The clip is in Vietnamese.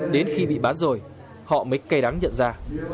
đến khi bị bán rồi họ mới cay đắng nhận ra